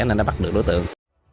nên đã bắt được đối tượng